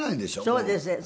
そうですね。